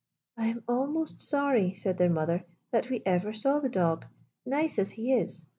" I am almost sorry," said their mother, " that we ever saw the dog — nice as he is.